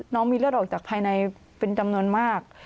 น้องมีเลือดออกจากภายในเป็นจำนวนมาก